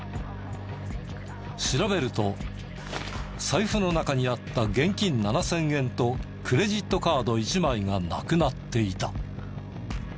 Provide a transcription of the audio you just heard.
調べると財布の中にあった現金７０００円とクレジットカード１枚が無くなっていた。